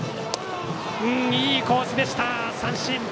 いいコースでした、三振。